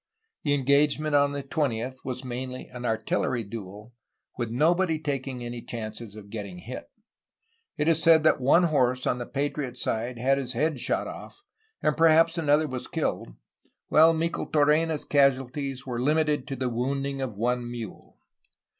The engagement on the 20th was mainly an artillery duel, with nobody taking any chances of getting hit. It is said that one horse on the patriot side had his head shot off and perhaps another was killed, while Micheltorena's casualties were limited to the wounding of one mule.